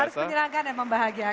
harus menyenangkan dan membahagiakan